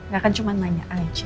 gak kan cuma banyak aja